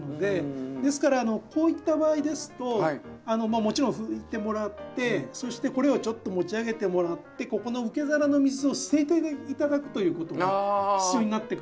ですからこういった場合ですともちろん拭いてもらってそしてこれをちょっと持ち上げてもらってここの受け皿の水を捨てて頂くということが必要になってくるんです。